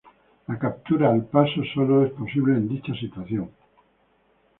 La captura al paso solo es posible en dicha situación.